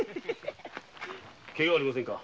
怪我はありませんか？